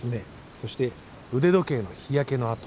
そして腕時計の日焼けの跡。